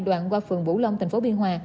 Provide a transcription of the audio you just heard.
đoạn qua phường vũ long tp biên hòa